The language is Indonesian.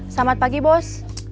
selamat pagi bos